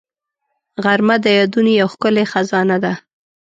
غرمه د یادونو یو ښکلې خزانه ده